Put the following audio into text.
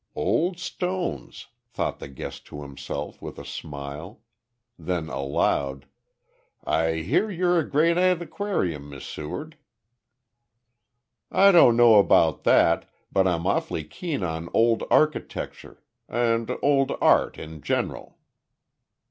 "`Old stones,'" thought the guest to himself, with a smile. Then aloud, "I hear you're a great antiquarian, Miss Seward." "I don't know about that, but I'm awfully keen on old architecture, and old art in general."